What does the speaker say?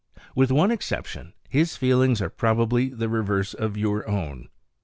With one exception, his feelings are probably the reverse of your own.